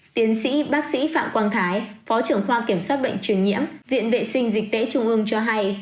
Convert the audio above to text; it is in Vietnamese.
tiến sĩ bác sĩ phạm quang thái phó trưởng khoa kiểm soát bệnh truyền nhiễm viện vệ sinh dịch tễ trung ương cho hay